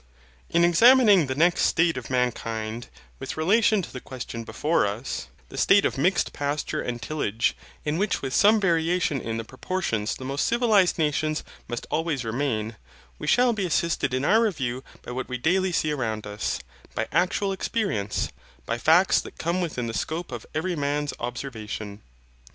In examining the next state of mankind with relation to the question before us, the state of mixed pasture and tillage, in which with some variation in the proportions the most civilized nations must always remain, we shall be assisted in our review by what we daily see around us, by actual experience, by facts that come within the scope of every man's observation.